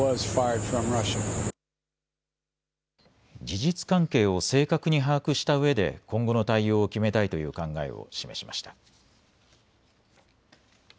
事実関係を正確に把握したうえで今後の対応を決めたいという考えを示しました。